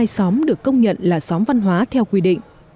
ba trăm chín mươi hai xóm được công nhận là xóm văn hóa theo quy định